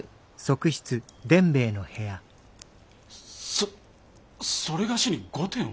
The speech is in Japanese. そそれがしに御殿を？